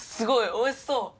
おいしそう！